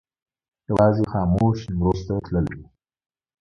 یوازې خاموش نیمروز ته تللی و.